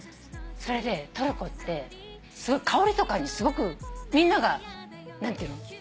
それでトルコって香りとかにすごくみんなが何ていうの？